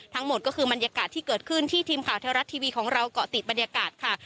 ทั้งหมดก็คือบรรยากาศที่เกิดขึ้นที่ทีมข่าวเทวรัฐทีวีของเราเกาะติดบรรยากาศค่ะ